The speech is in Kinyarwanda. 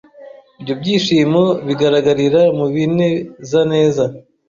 Ibyo byishimo bigaragarira mu bine zaneza,